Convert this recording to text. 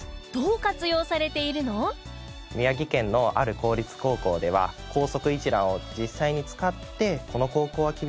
宮城県のある公立高校では校則一覧を実際に使ってこの高校は厳しいんだな